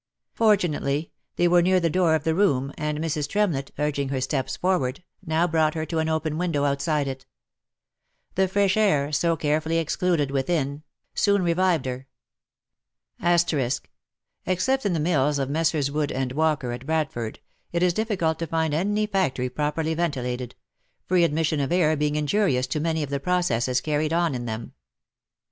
Fortunately, they were near the door of the room, and Mrs. Trem lett, urging her steps forward, now brought her to an open window outside it. The fresh air, so carefully excluded within,* soon revived her : the colour returned to her lips, and having remained silently in * Except in the mills of Messrs. Wood and Walker, at Bradford, it is difficult to find any factory properly ventilated — free admission of air being injurious to many of the processes carried on in them.